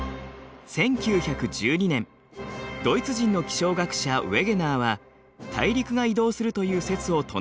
１９１２年ドイツ人の気象学者ウェゲナーは大陸が移動するという説を唱えました。